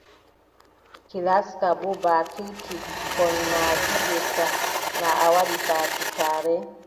Ki laska boo baakin ki ɓikkon ma pijirta, na a waɗi faasikaare.